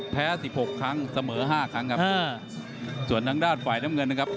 สิบหกครั้งเสมอห้าครั้งครับส่วนทางด้านฝ่ายน้ำเงินนะครับ